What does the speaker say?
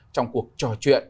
trong cuộc trò chuyện